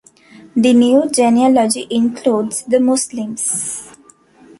The new genealogy includes the Muslims.